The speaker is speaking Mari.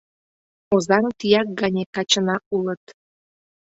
Озаҥ тияк гане качына улыт.